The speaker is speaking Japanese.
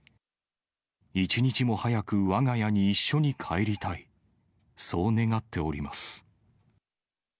一日も早くわが家に一緒に帰りたい、そう願っております。